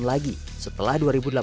lagi setelah dua ribu delapan belas